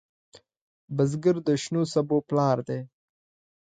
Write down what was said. بزګر د شنو سبو پلار دی